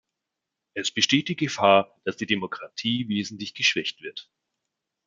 Es besteht die Gefahr, dass die Demokratie wesentlich geschwächt wird.